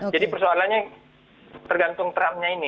jadi persoalannya tergantung trumpnya ini